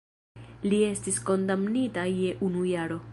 Li estis kondamnita je unu jaro.